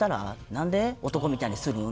「何で男みたいにするん？」